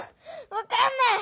わかんない！